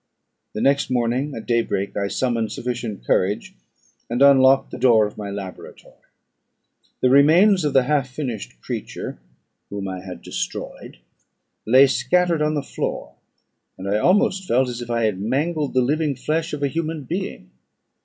The next morning, at daybreak, I summoned sufficient courage, and unlocked the door of my laboratory. The remains of the half finished creature, whom I had destroyed, lay scattered on the floor, and I almost felt as if I had mangled the living flesh of a human being.